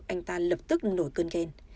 anh ta lập tức nổi cơn ghen